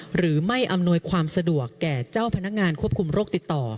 อำนวยความสะดวกแก่เจ้าพนักงานควบคุมโรคติดต่อ